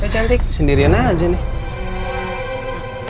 cantik sendirian aja nih